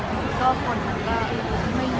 พี่ปากก็แพนคนแช่วของ